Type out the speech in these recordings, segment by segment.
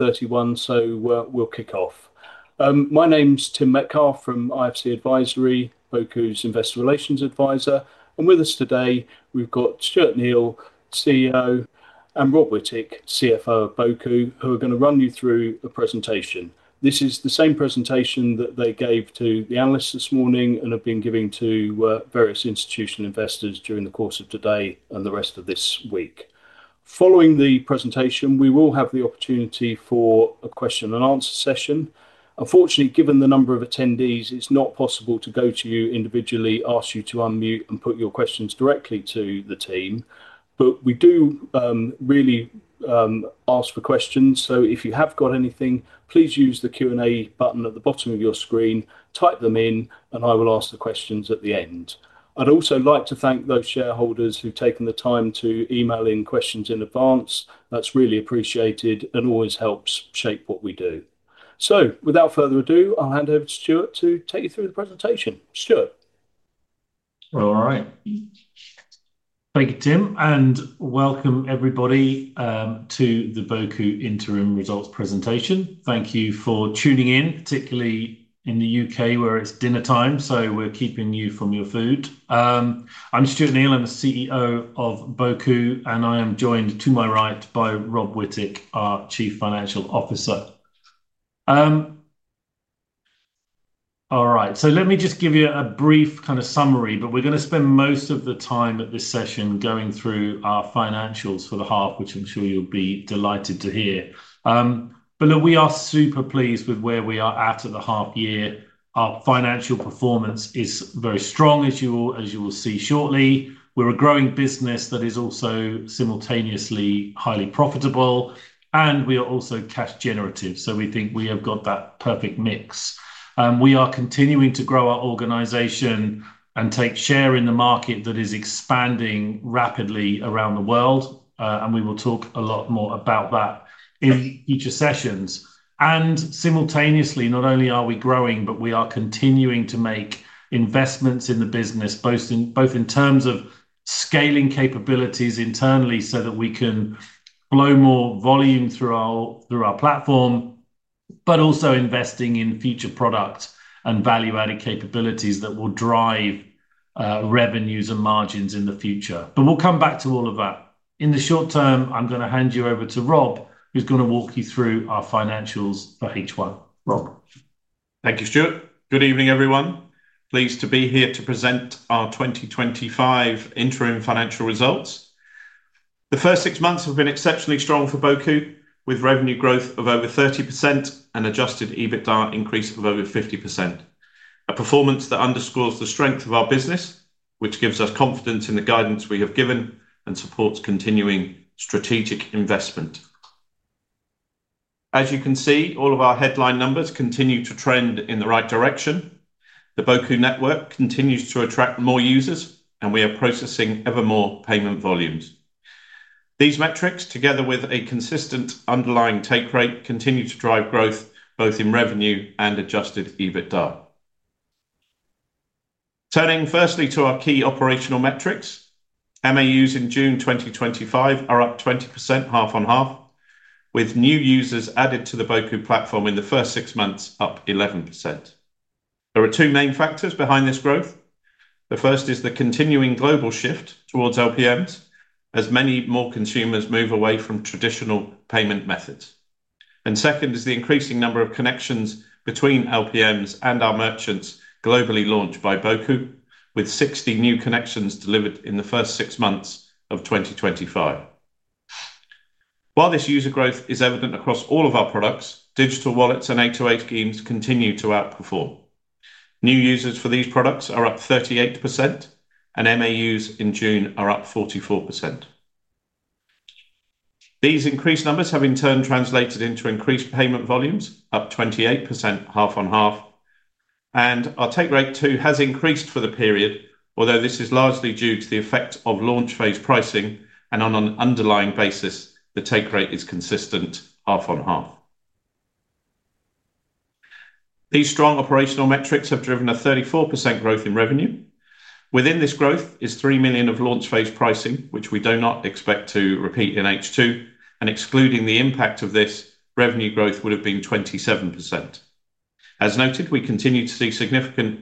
We'll kick off. My name's Tim Metcalfe from IFC Advisory, Boku's Investor Relations Advisor. With us today, we've got Stuart Neal, CEO, and Rob Whittick, CFO of Boku, who are going to run you through a presentation. This is the same presentation that they gave to the analysts this morning and have been giving to various institutional investors during the course of today and the rest of this week. Following the presentation, we will have the opportunity for a question and answer session. Unfortunately, given the number of attendees, it's not possible to go to you individually, ask you to unmute, and put your questions directly to the team. We do, really, ask for questions. If you have got anything, please use the Q&A button at the bottom of your screen, type them in, and I will ask the questions at the end. I'd also like to thank those shareholders who've taken the time to email in questions in advance. That's really appreciated and always helps shape what we do. Without further ado, I'll hand over to Stuart to take you through the presentation. Stuart. All right. Thank you, Tim. And welcome, everybody, to the Boku Interim Results Presentation. Thank you for tuning in, particularly in the U.K. where it's dinner time, so we're keeping you from your food. I'm Stuart Neal. I'm the CEO of Boku, and I am joined to my right by Rob Whittick, our Chief Financial Officer. All right. Let me just give you a brief kind of summary, but we're going to spend most of the time at this session going through our financials for the half, which I'm sure you'll be delighted to hear. We are super pleased with where we are at at the half year. Our financial performance is very strong, as you will see shortly. We're a growing business that is also simultaneously highly profitable, and we are also cash generative. We think we have got that perfect mix. We are continuing to grow our organization and take share in the market that is expanding rapidly around the world. We will talk a lot more about that in future sessions. Simultaneously, not only are we growing, but we are continuing to make investments in the business, both in terms of scaling capabilities internally so that we can blow more volume through our platform, but also investing in future products and value-added capabilities that will drive revenues and margins in the future. We'll come back to all of that. In the short term, I'm going to hand you over to Rob, who's going to walk you through our financials for H1. Rob Thank you, Stuart. Good evening, everyone. Pleased to be here to present our 2025 interim financial results. The first six months have been exceptionally strong for Boku, with revenue growth of over 30% and an adjusted EBITDA increase of over 50%. A performance that underscores the strength of our business, which gives us confidence in the guidance we have given and supports continuing strategic investment. As you can see, all of our headline numbers continue to trend in the right direction. The Boku network continues to attract more users, and we are processing ever more payment volumes. These metrics, together with a consistent underlying take rate, continue to drive growth both in revenue and adjusted EBITDA. Turning firstly to our key operational metrics, MAUs in June 2025 are up 20% half-on-half, with new users added to the Boku platform in the first six months up 11%. There are two main factors behind this growth. The first is the continuing global shift towards LPMs, as many more consumers move away from traditional payment methods. The second is the increasing number of connections between LPMs and our merchants globally launched by Boku, with 60 new connections delivered in the first six months of 2025. While this user growth is evident across all of our products, digital wallets and A2A schemes continue to outperform. New users for these products are up 38%, and MAUs in June are up 44%. These increased numbers have, in turn, translated into increased payment volumes, up 28% half-on-half, and our take rate too has increased for the period, although this is largely due to the effect of launch phase pricing, and on an underlying basis, the take rate is consistent half-on-half. These strong operational metrics have driven a 34% growth in revenue. Within this growth is $3 million of launch phase pricing, which we do not expect to repeat in H2, and excluding the impact of this, revenue growth would have been 27%. As noted, we continue to see significant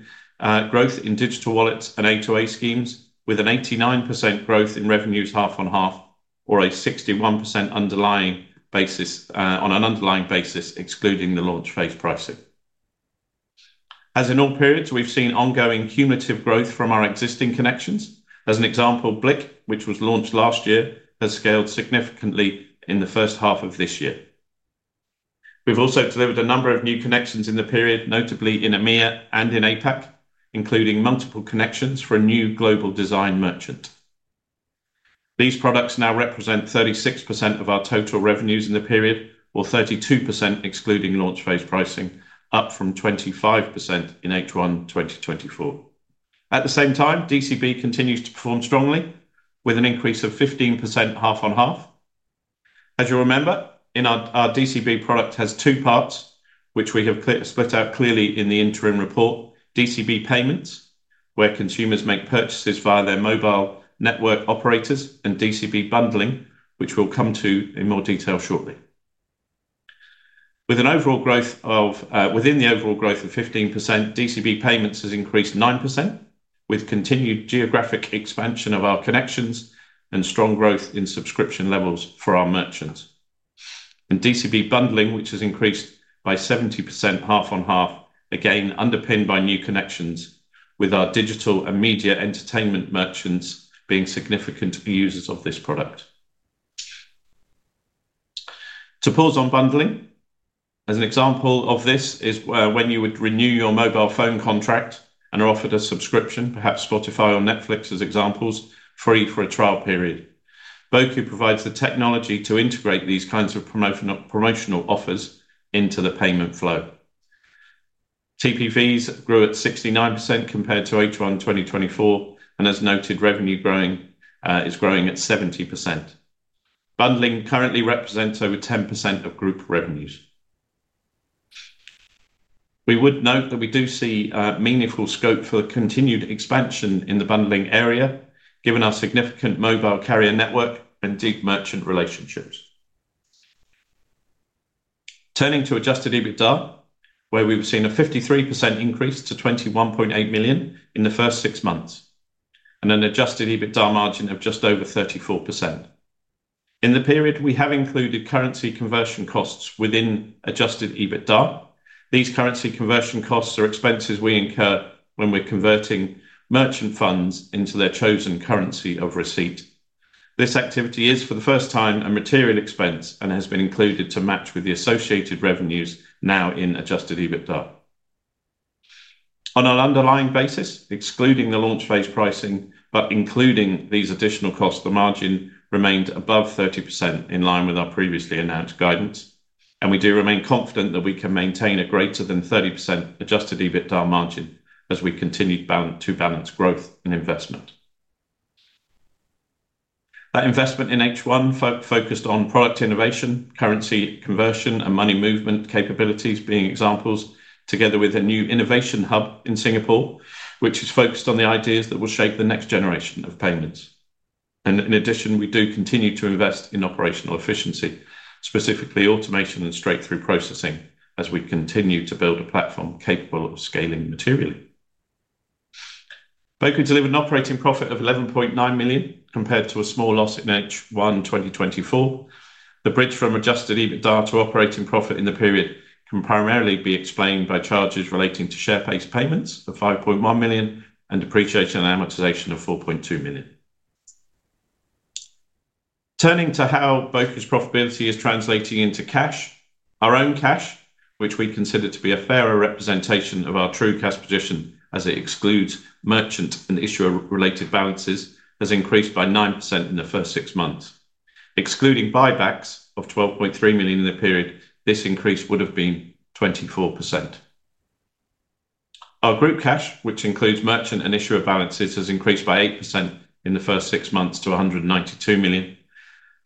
growth in digital wallets and A2A schemes, with an 89% growth in revenues half-on-half, or a 61% basis on an underlying basis, excluding the launch phase pricing. As in all periods, we've seen ongoing cumulative growth from our existing connections. As an example, BLIK, which was launched last year, has scaled significantly in the first half of this year. We've also delivered a number of new connections in the period, notably in EMEA and in APAC, including multiple connections for a new global design merchant. These products now represent 36% of our total revenues in the period, or 32% excluding launch phase pricing, up from 25% in H1 2024. At the same time, DCB continues to perform strongly, with an increase of 15% half-on-half. As you'll remember, our DCB product has two parts, which we have split out clearly in the interim report: DCB payments, where consumers make purchases via their mobile network operators, and DCB bundling, which we'll come to in more detail shortly. With an overall growth of 15%, DCB payments has increased 9%, with continued geographic expansion of our connections and strong growth in subscription levels for our merchants. DCB bundling, which has increased by 70% half-on-half, again underpinned by new connections, with our digital and media entertainment merchants being significant users of this product. To pause on bundling, as an example of this is when you would renew your mobile phone contract and are offered a subscription, perhaps Spotify or Netflix as examples, free for a trial period. Boku provides the technology to integrate these kinds of promotional offers into the payment flow. TPVs grew at 69% compared to H1 2024, and as noted, revenue is growing at 70%. Bundling currently represents over 10% of group revenues. We would note that we do see meaningful scope for continued expansion in the bundling area, given our significant mobile carrier network and deep merchant relationships. Turning to adjusted EBITDA, we've seen a 53% increase to $21.8 million in the first six months, and an adjusted EBITDA margin of just over 34%. In the period, we have included currency conversion costs within adjusted EBITDA. These currency conversion costs are expenses we incur when we're converting merchant funds into their chosen currency of receipt. This activity is, for the first time, a material expense and has been included to match with the associated revenues now in adjusted EBITDA. On our underlying basis, excluding the launch phase pricing, but including these additional costs, the margin remained above 30% in line with our previously announced guidance. We do remain confident that we can maintain a greater than 30% adjusted EBITDA margin as we continue to balance growth and investment. That investment in H1 focused on product innovation, currency conversion, and money movement capabilities being examples, together with a new innovation hub in Singapore, which is focused on the ideas that will shape the next generation of payments. In addition, we do continue to invest in operational efficiency, specifically automation and straight-through processing, as we continue to build a platform capable of scaling materially. Boku delivered an operating profit of $11.9 million compared to a small loss in H1 2024. The bridge from adjusted EBITDA to operating profit in the period can primarily be explained by charges relating to share-based payments of $5.1 million and depreciation and amortization of $4.2 million. Turning to how Boku's profitability is translating into cash, our own cash, which we consider to be a fairer representation of our true cash position as it excludes merchant and issuer-related balances, has increased by 9% in the first six months. Excluding buybacks of $12.3 million in the period, this increase would have been 24%. Our group cash, which includes merchant and issuer balances, has increased by 8% in the first six months to $192 million.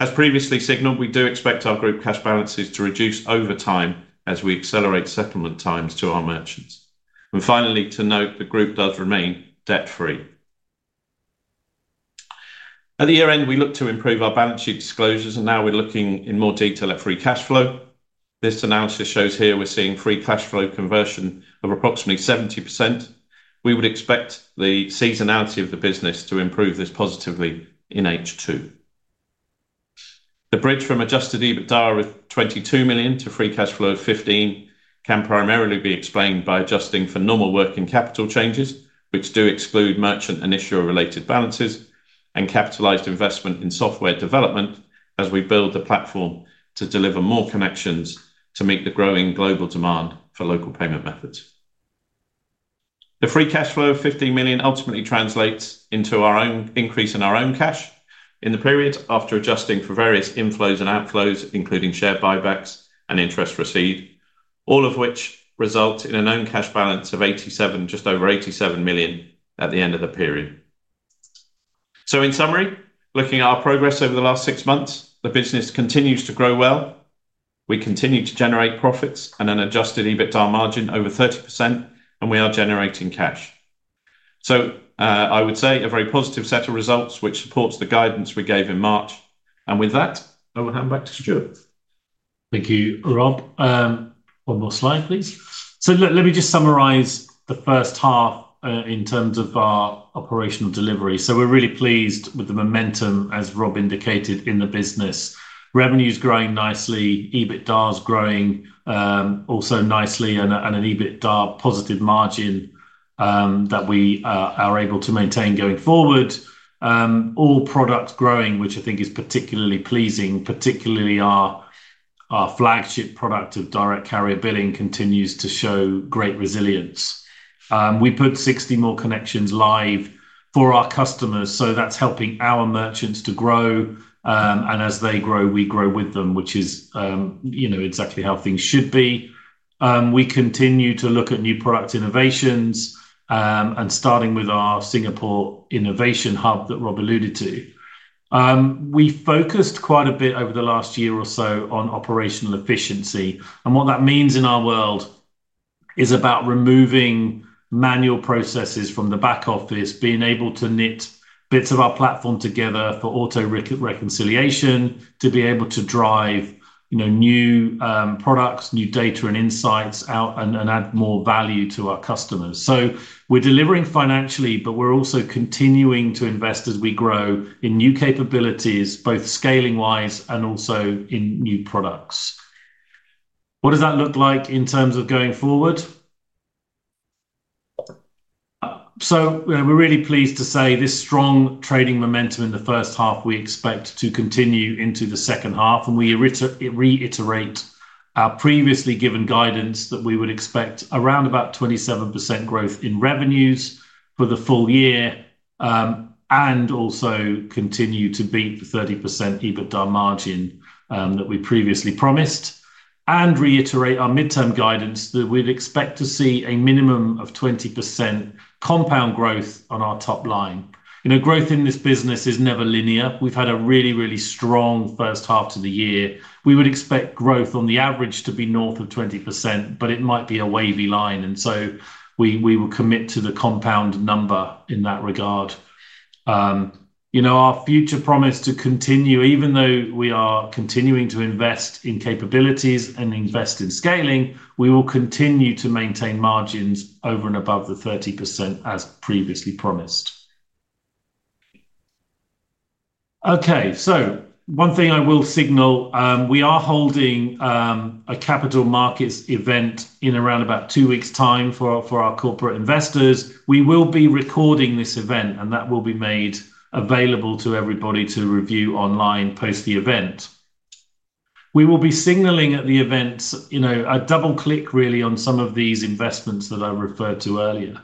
As previously signaled, we do expect our group cash balances to reduce over time as we accelerate settlement times to our merchants. Finally, to note, the group does remain debt-free. At the year end, we look to improve our balance sheet disclosures, and now we're looking in more detail at free cash flow. This analysis shows here we're seeing free cash flow conversion of approximately 70%. We would expect the seasonality of the business to improve this positively in H2. The bridge from adjusted EBITDA of $22 million to free cash flow of $15 million can primarily be explained by adjusting for normal working capital changes, which do exclude merchant and issuer-related balances, and capitalized investment in software development as we build a platform to deliver more connections to meet the growing global demand for local payment methods. The free cash flow of $15 million ultimately translates into an increase in our own cash in the period after adjusting for various inflows and outflows, including share buybacks and interest received, all of which result in an own cash balance of just over $87 million at the end of the period. In summary, looking at our progress over the last six months, the business continues to grow well. We continue to generate profits and an adjusted EBITDA margin over 30%, and we are generating cash. I would say a very positive set of results, which supports the guidance we gave in March. With that, I will hand back to Stuart. Thank you, Rob. One more slide, please. Let me just summarize the first half in terms of our operational delivery. We're really pleased with the momentum, as Rob indicated, in the business. Revenue is growing nicely. EBITDA is growing, also nicely, and an EBITDA positive margin that we are able to maintain going forward. All products growing, which I think is particularly pleasing, particularly our flagship product of Direct Carrier Billing continues to show great resilience. We put 60 more connections live for our customers, so that's helping our merchants to grow. As they grow, we grow with them, which is exactly how things should be. We continue to look at new product innovations, starting with our Singapore innovation hub that Rob alluded to. We focused quite a bit over the last year or so on operational efficiency, and what that means in our world is about removing manual processes from the back office, being able to knit bits of our platform together for auto reconciliation, to be able to drive new products, new data and insights out, and add more value to our customers. We're delivering financially, but we're also continuing to invest as we grow in new capabilities, both scaling-wise and also in new products. What does that look like in terms of going forward? We're really pleased to say this strong trading momentum in the first half we expect to continue into the second half, and we reiterate our previously given guidance that we would expect around about 27% growth in revenues for the full year, and also continue to beat the 30% EBITDA margin that we previously promised, and reiterate our midterm guidance that we'd expect to see a minimum of 20% compound growth on our top line. Growth in this business is never linear. We've had a really, really strong first half to the year. We would expect growth on the average to be north of 20%, but it might be a wavy line, and we will commit to the compound number in that regard. Our future promise to continue, even though we are continuing to invest in capabilities and invest in scaling, we will continue to maintain margins over and above the 30% as previously promised. One thing I will signal, we are holding a capital markets event in around about two weeks' time for our corporate investors. We will be recording this event, and that will be made available to everybody to review online post the event. We will be signaling at the event, you know, a double click really on some of these investments that I referred to earlier,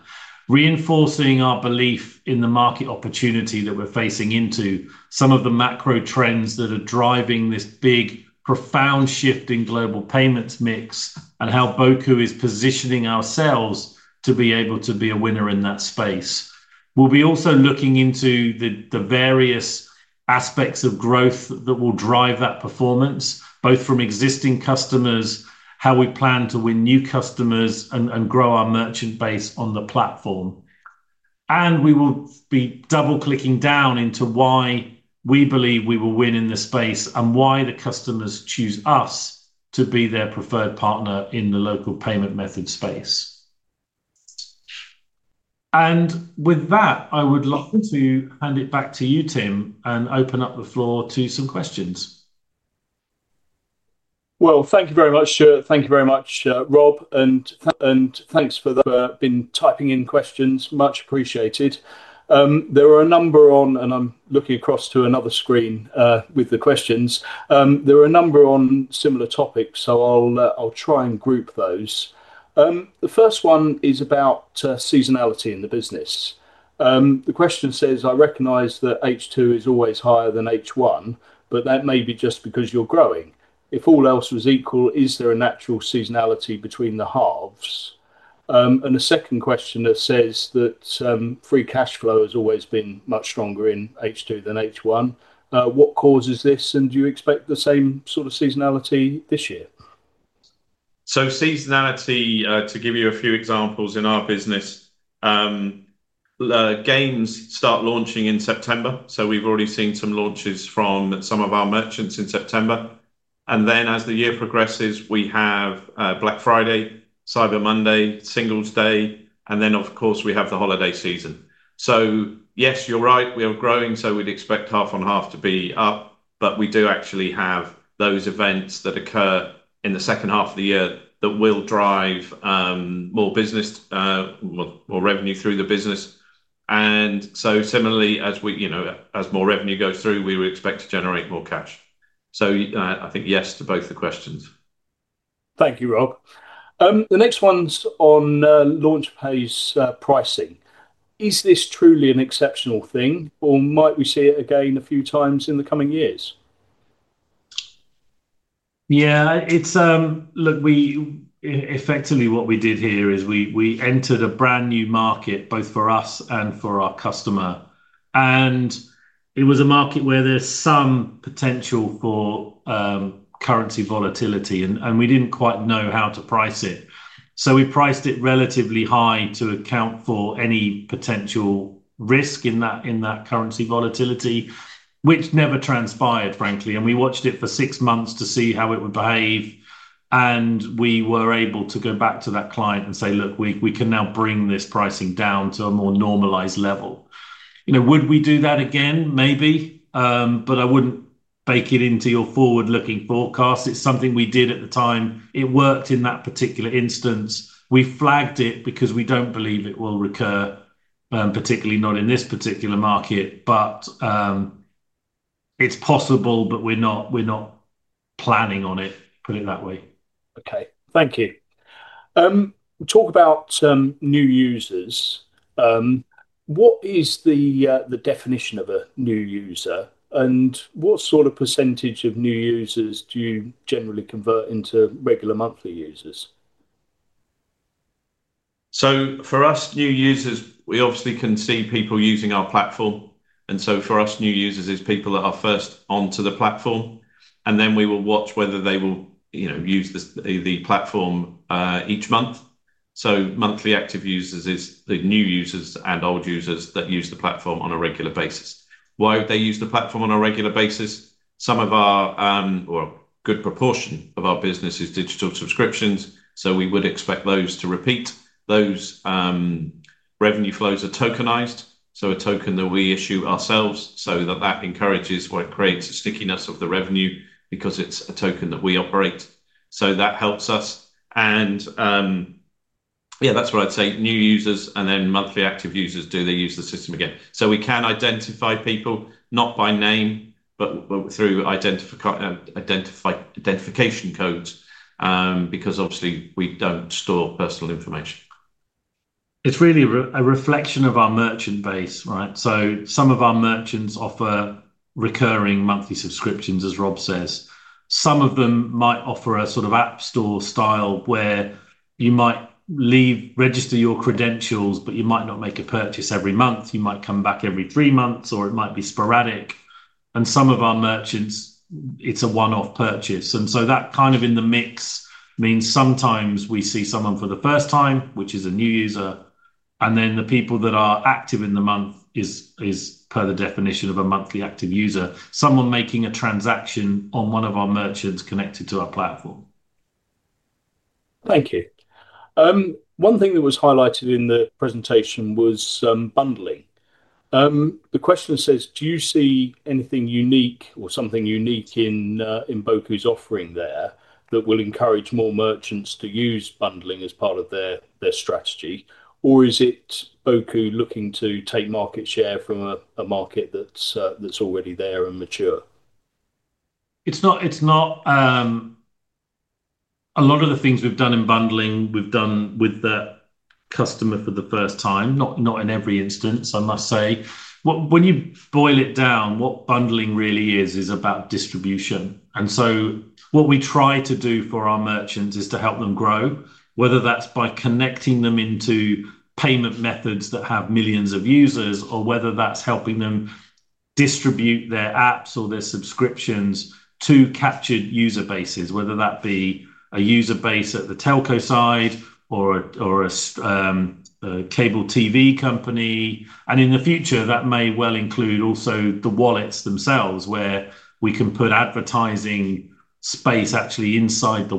reinforcing our belief in the market opportunity that we're facing into, some of the macro trends that are driving this big, profound shift in global payments mix and how Boku is positioning ourselves to be able to be a winner in that space. We'll be also looking into the various aspects of growth that will drive that performance, both from existing customers, how we plan to win new customers, and grow our merchant base on the platform. We will be double clicking down into why we believe we will win in this space and why the customers choose us to be their preferred partner in the local payment method space. With that, I would like to hand it back to you, Tim, and open up the floor to some questions. Thank you very much, Stuart. Thank you very much, Rob, and thanks for typing in questions. Much appreciated. There are a number on, and I'm looking across to another screen with the questions. There are a number on similar topics, so I'll try and group those. The first one is about seasonality in the business. The question says, I recognize that H2 is always higher than H1, but that may be just because you're growing. If all else was equal, is there a natural seasonality between the halves? The second question says that free cash flow has always been much stronger in H2 than H1. What causes this, and do you expect the same sort of seasonality this year? Seasonality, to give you a few examples in our business, games start launching in September. We've already seen some launches from some of our merchants in September. As the year progresses, we have Black Friday, Cyber Monday, Singles Day, and then of course we have the holiday season. Yes, you're right, we are growing, so we'd expect half on half to be up, but we do actually have those events that occur in the second half of the year that will drive more business, more revenue through the business. Similarly, as more revenue goes through, we would expect to generate more cash. I think yes to both the questions. Thank you, Rob. The next one's on launch phase pricing. Is this truly an exceptional thing, or might we see it again a few times in the coming years? Yeah, look, we effectively what we did here is we entered a brand new market, both for us and for our customer. It was a market where there's some potential for currency volatility, and we didn't quite know how to price it. We priced it relatively high to account for any potential risk in that currency volatility, which never transpired, frankly. We watched it for six months to see how it would behave. We were able to go back to that client and say, look, we can now bring this pricing down to a more normalized level. You know, would we do that again? Maybe. I wouldn't bake it into your forward-looking forecast. It's something we did at the time. It worked in that particular instance. We flagged it because we don't believe it will recur, particularly not in this particular market. It's possible, but we're not planning on it, put it that way. Okay, thank you. Talk about new users. What is the definition of a new user? What sort of percentage of new users do you generally convert into regular monthly users? For us, new users, we obviously can see people using our platform. For us, new users are people that are first onto the platform. We will watch whether they will, you know, use the platform each month. Monthly active users are the new users and old users that use the platform on a regular basis. Why would they use the platform on a regular basis? Some of our, or a good proportion of our business is digital subscriptions. We would expect those to repeat. Those revenue flows are tokenized, so a token that we issue ourselves, so that encourages or creates a stickiness of the revenue because it's a token that we operate. That helps us. That's where I'd say new users and then monthly active users, do they use the system again. We can identify people not by name, but through identification codes, because obviously we don't store personal information. It's really a reflection of our merchant base, right? Some of our merchants offer recurring monthly subscriptions, as Rob says. Some of them might offer a sort of app store style where you might leave, register your credentials, but you might not make a purchase every month. You might come back every three months, or it might be sporadic. Some of our merchants, it's a one-off purchase. That kind of in the mix means sometimes we see someone for the first time, which is a new user. The people that are active in the month is, per the definition of a monthly active user, someone making a transaction on one of our merchants connected to our platform. Thank you. One thing that was highlighted in the presentation was bundling. The question says, do you see anything unique or something unique in Boku's offering there that will encourage more merchants to use bundling as part of their strategy? Is it Boku looking to take market share from a market that's already there and mature? It's not. A lot of the things we've done in bundling, we've done with the customer for the first time, not in every instance, I must say. When you boil it down, what bundling really is, is about distribution. What we try to do for our merchants is to help them grow, whether that's by connecting them into payment methods that have millions of users, or whether that's helping them distribute their apps or their subscriptions to captured user bases, whether that be a user base at the telco side or a cable TV company. In the future, that may well include also the wallets themselves, where we can put advertising space actually inside the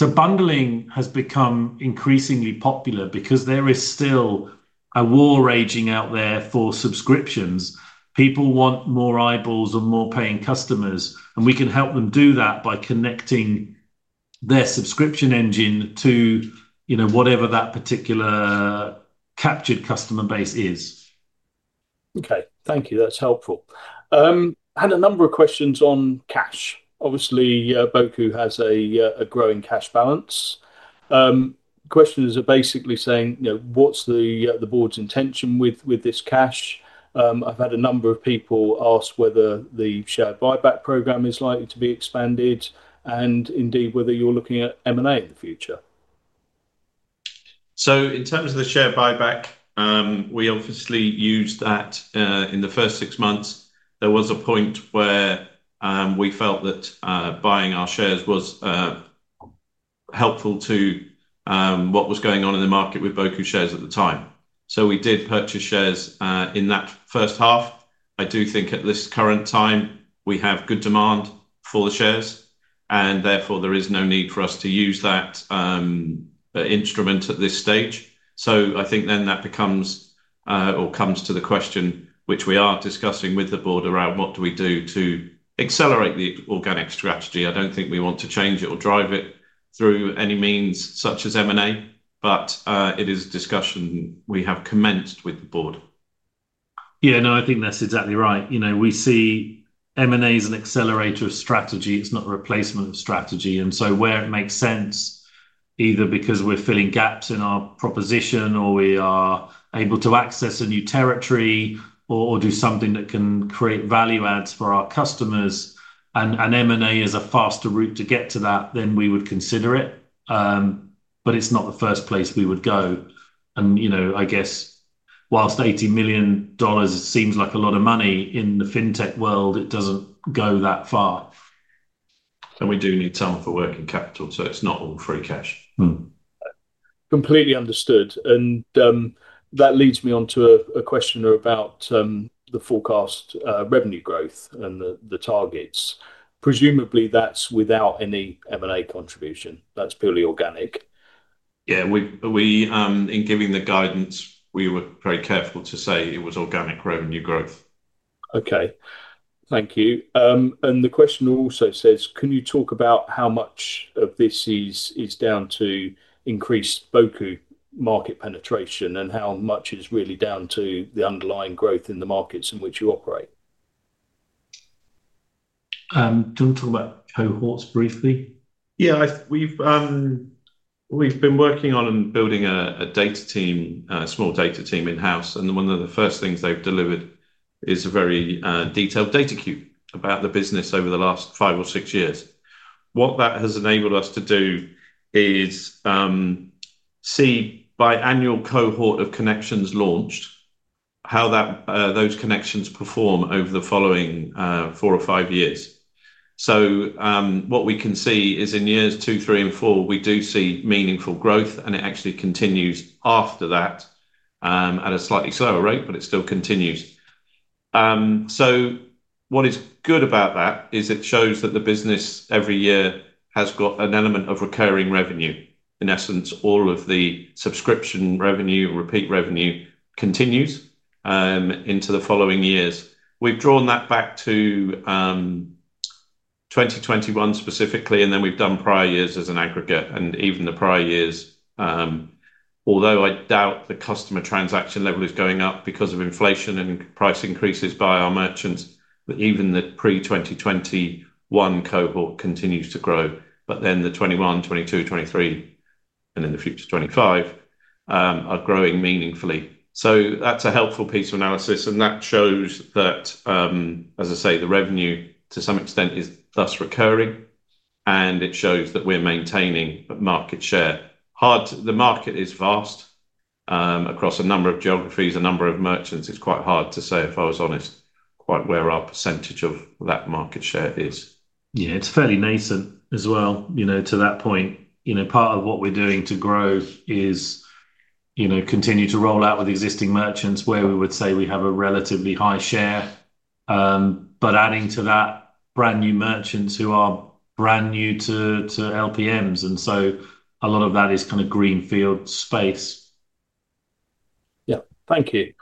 wallet. Bundling has become increasingly popular because there is still a war raging out there for subscriptions. People want more eyeballs and more paying customers, and we can help them do that by connecting their subscription engine to, you know, whatever that particular captured customer base is. Okay, thank you. That's helpful. I had a number of questions on cash. Obviously, Boku has a growing cash balance. Questions are basically saying, you know, what's the Board's intention with this cash? I've had a number of people ask whether the share buyback program is likely to be expanded and indeed whether you're looking at M&A in the future. In terms of the share buyback, we obviously used that in the first six months. There was a point where we felt that buying our shares was helpful to what was going on in the market with Boku shares at the time. We did purchase shares in that first half. I do think at this current time, we have good demand for the shares, and therefore there is no need for us to use that instrument at this stage. That becomes or comes to the question, which we are discussing with the Board, around what do we do to accelerate the organic strategy. I don't think we want to change it or drive it through any means such as M&A, but it is a discussion we have commenced with the Board. Yeah, I think that's exactly right. We see M&A as an accelerator of strategy. It's not a replacement of strategy. Where it makes sense, either because we're filling gaps in our proposition or we are able to access a new territory or do something that can create value adds for our customers, and M&A is a faster route to get to that, we would consider it. It's not the first place we would go. I guess whilst $80 million seems like a lot of money in the fintech world, it doesn't go that far. We do need some for working capital, so it's not all free cash. Completely understood. That leads me on to a question about the forecast revenue growth and the targets. Presumably, that's without any M&A contribution. That's purely organic. Yeah, in giving the guidance, we were very careful to say it was organic revenue growth. Thank you. The question also says, can you talk about how much of this is down to increased Boku market penetration and how much is really down to the underlying growth in the markets in which you operate? Do you want to talk about cohorts briefly? Yeah, we've been working on building a data team, a small data team in-house, and one of the first things they've delivered is a very detailed data cube about the business over the last five or six years. What that has enabled us to do is see by annual cohort of connections launched, how those connections perform over the following four or five years. What we can see is in years two, three, and four, we do see meaningful growth, and it actually continues after that at a slightly slower rate, but it still continues. What is good about that is it shows that the business every year has got an element of recurring revenue. In essence, all of the subscription revenue and repeat revenue continues into the following years. We've drawn that back to 2021 specifically, and then we've done prior years as an aggregate, and even the prior years, although I doubt the customer transaction level is going up because of inflation and price increases by our merchants, even the pre-2021 cohort continues to grow. The 2021, 2022, 2023, and in the future 2025 are growing meaningfully. That's a helpful piece of analysis, and that shows that, as I say, the revenue to some extent is thus recurring, and it shows that we're maintaining market share. The market is vast across a number of geographies, a number of merchants. It's quite hard to say, if I was honest, quite where our percentage of that market share is. It's fairly nascent as well, you know, to that point. Part of what we're doing to grow is, you know, continue to roll out with existing merchants where we would say we have a relatively high share, but adding to that, brand new merchants who are brand new to LPMs, and a lot of that is kind of greenfield space. Thank you.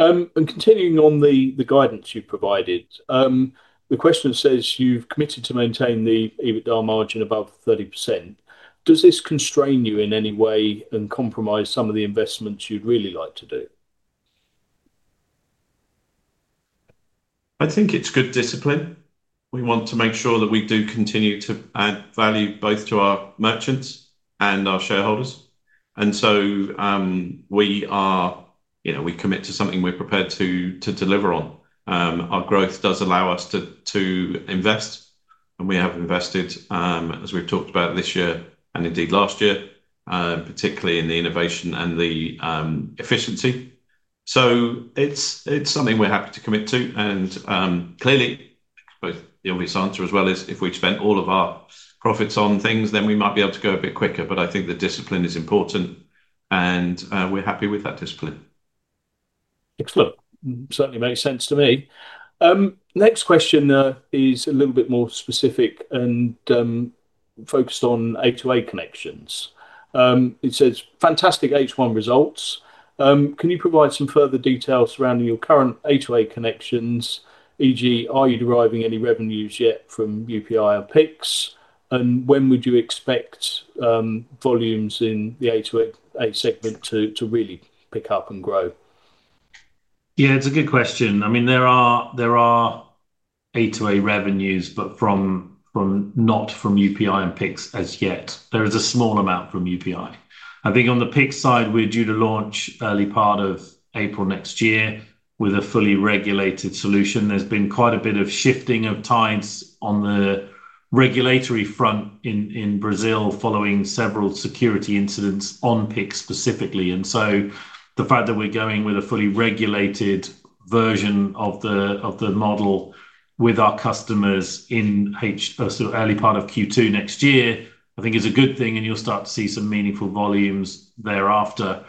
Continuing on the guidance you've provided, the question says you've committed to maintain the EBITDA margin above 30%. Does this constrain you in any way and compromise some of the investments you'd really like to do? I think it's good discipline. We want to make sure that we do continue to add value both to our merchants and our shareholders. We are, you know, we commit to something we're prepared to deliver on. Our growth does allow us to invest, and we have invested, as we've talked about this year and indeed last year, particularly in the innovation and the efficiency. It's something we're happy to commit to. Clearly, the obvious answer as well is if we'd spent all of our profits on things, then we might be able to go a bit quicker. I think the discipline is important, and we're happy with that discipline. Excellent. Certainly makes sense to me. Next question is a little bit more specific and focused on A2A connections. It says, fantastic H1 results. Can you provide some further details surrounding your current A2A connections, e.g., are you deriving any revenues yet from UPI or Pix? When would you expect volumes in the A2A segment to really pick up and grow? Yeah, it's a good question. I mean, there are A2A revenues, but not from UPI and Pix as yet. There is a small amount from UPI. I think on the Pix side, we're due to launch early part of April next year with a fully regulated solution. There's been quite a bit of shifting of tides on the regulatory front in Brazil following several security incidents on Pix specifically. The fact that we're going with a fully regulated version of the model with our customers in early part of Q2 next year, I think is a good thing, and you'll start to see some meaningful volumes thereafter.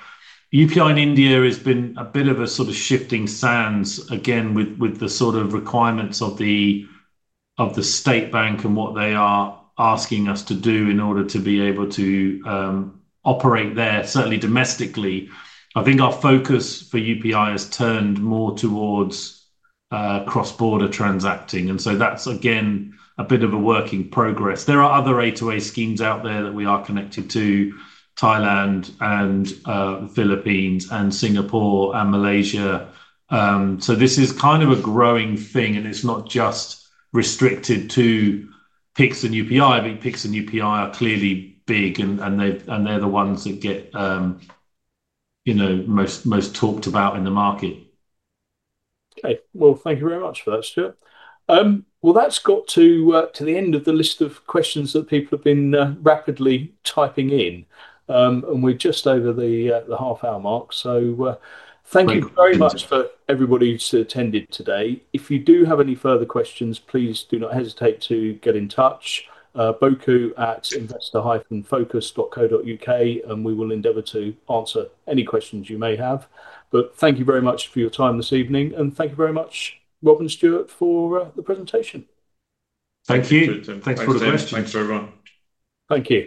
UPI in India has been a bit of a sort of shifting sands again with the requirements of the state bank and what they are asking us to do in order to be able to operate there, certainly domestically. I think our focus for UPI has turned more towards cross-border transacting. That's again a bit of a work in progress. There are other A2A schemes out there that we are connected to: Thailand, the Philippines, Singapore, and Malaysia. This is kind of a growing thing, and it's not just restricted to Pix and UPI. I think Pix and UPI are clearly big, and they're the ones that get, you know, most talked about in the market. Okay, thank you very much for that, Stuart. That has got to the end of the list of questions that people have been rapidly typing in, and we're just over the half-hour mark. Thank you very much for everybody who's attended today. If you do have any further questions, please do not hesitate to get in touch: boku@investor-focus.co.uk, and we will endeavor to answer any questions you may have. Thank you very much for your time this evening, and thank you very much, Rob and Stuart, for the presentation. Thank you. Thanks for the questions. Thanks, everyone. Thank you.